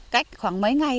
cách khoảng mấy ngày